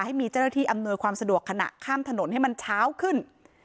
ให้มีเจฤตี้อำนวยความสะดวกขณะข้ามถนนให้เป็นเช้าขึ้น